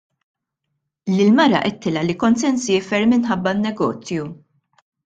Lill-mara għidtilha li kont se nsiefer minħabba n-negozju.